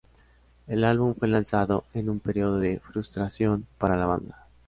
El álbum fue lanzado en un periodo de frustración para la banda.